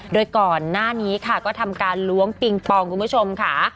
โดยก่อนหน้านี้ค่ะก็ทำการล้วงปิงปองคุณผู้ชมค่ะ